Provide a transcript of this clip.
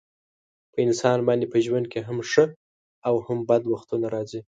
په انسان باندې په ژوند کې هم ښه او هم بد وختونه راځي.